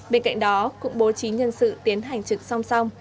bên cạnh đó cũng bố trí nhân sự tiến hành trực song song